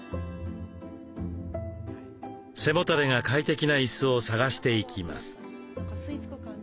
背もたれが快適な椅子を探していきます。